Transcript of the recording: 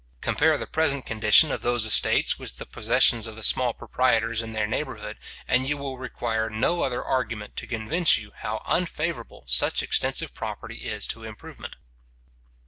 Compare the present condition of those estates with the possessions of the small proprietors in their neighbourhood, and you will require no other argument to convince you how unfavourable such extensive property is to improvement.